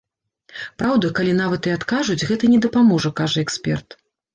Праўда, калі нават і адкажуць, гэта не дапаможа, кажа эксперт.